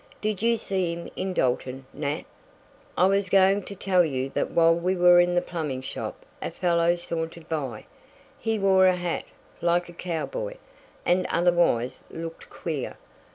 Did you see him in Dalton, Nat?" "I was just going to tell you that while we were in the plumbing shop a fellow sauntered by. He wore a hat like a cowboy, and otherwise looked queer.